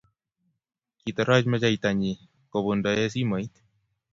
Kitoroch mecheita nyii kobuntoe simoit.